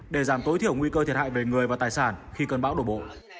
để giảm tối thiểu nguy cơ thiệt hại về người và tài sản khi cơn bão đổ bộ